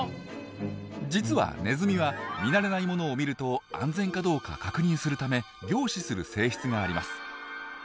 実はネズミは見慣れないものを見ると安全かどうか確認するため凝視する性質があります。